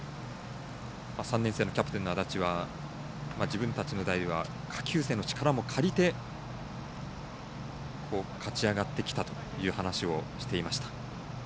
３年生のキャプテンの安達は自分たちの代は下級生の力も借りて勝ち上がってきたという話をしていました。